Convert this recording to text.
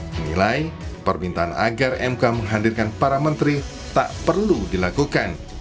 menilai permintaan agar mk menghadirkan para menteri tak perlu dilakukan